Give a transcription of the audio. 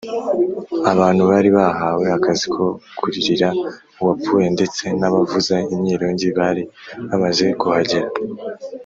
abantu bari bahawe akazi ko kuririra uwapfuye ndetse n’abavuza imyirongi bari bamaze kuhagera